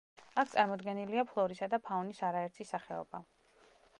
აქ წარმოდგენილია ფლორისა და ფაუნის არაერთი სახეობა.